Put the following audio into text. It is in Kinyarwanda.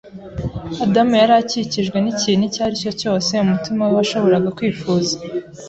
Adamu yari akikijwe n’ikintu icyo ari cyo cyose umutima we washoboraga kwifuza